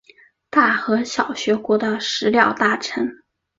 大和小学国的食料大臣。